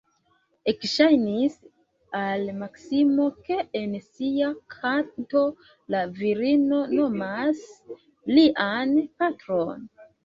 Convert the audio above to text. Ekŝajnis al Maksimo, ke en sia kanto la virino nomas lian patron.